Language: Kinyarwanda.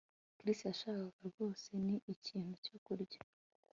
Chris yashakaga rwose ni ikintu cyo kurya